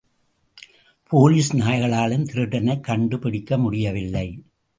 Police நாய்களாலும் திருடனைக் கண்டுபிடிக்க முடியவில்லை.